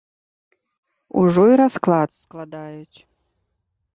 Ужо і расклад складаюць.